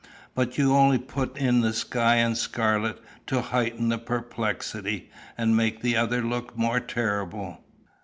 But you only put in the sky and the scarlet to heighten the perplexity, and make the other look more terrible."